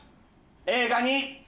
映画に。